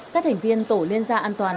các thành viên tổ liên gia an toàn